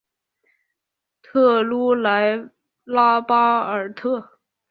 特鲁莱拉巴尔特。